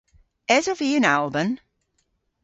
Esov vy yn Alban?